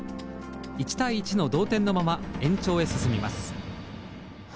１対１の同点のまま延長へ進みます。